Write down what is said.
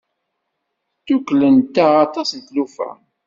Sdukklent-aɣ aṭas n tlufa.